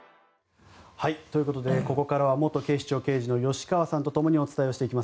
ここからは元警視庁刑事の吉川さんと共にお伝えしていきます。